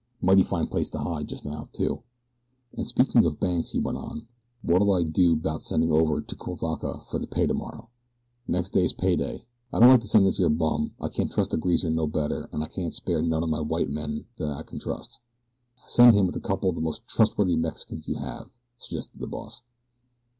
Mighty fine place to hide jest now, too. "And say, speakin' of banks," he went on, "what'll I do 'bout sendin' over to Cuivaca fer the pay tomorrow. Next day's pay day. I don't like to send this here bum, I can't trust a greaser no better, an' I can't spare none of my white men thet I ken trust." "Send him with a couple of the most trustworthy Mexicans you have," suggested the boss.